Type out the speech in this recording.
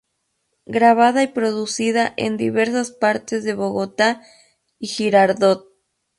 Grabada y producida en diversas partes de Bogotá y Girardot.